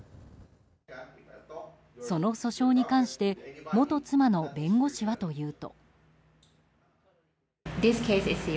その訴訟に関して元妻の弁護士はというと。